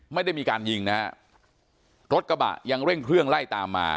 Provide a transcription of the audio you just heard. ไม่ได้มีการยิงนะฮะรถกระบะยังเร่งเครื่องไล่ตามมา